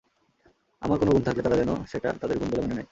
আমার কোনো গুণ থাকলে তারা যেন সেটা তাদের গুণ বলে মেনে নেয়।